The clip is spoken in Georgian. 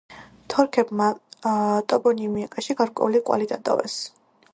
თორქებმა ტოპონიმიკაში გარკვეული კვალი დატოვეს.